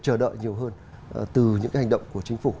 chờ đợi nhiều hơn từ những cái hành động của chính phủ